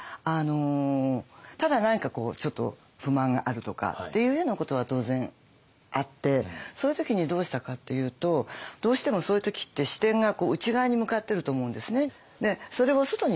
ただ何かちょっと不満があるとかっていうようなことは当然あってそういう時にどうしたかっていうとどうしてもそういう時って視点が内側に向かってると思うんですね。